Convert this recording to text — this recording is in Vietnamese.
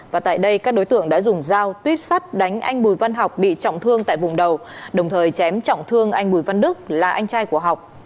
và tại đây các đối tượng đã dùng dao tuyếp sắt đánh anh bùi văn học bị trọng thương tại vùng đầu đồng thời chém trọng thương anh bùi văn đức là anh trai của học